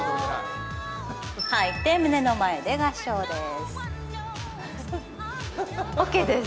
胸の前で合掌です。